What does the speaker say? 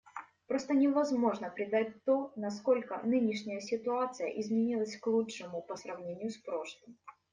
Просто невозможно передать то, насколько нынешняя ситуация изменилась к лучшему, по сравнению с прошлым.